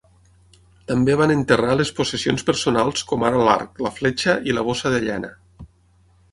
També van enterrar les possessions personals com ara l'arc, la fletxa i la bossa de llana.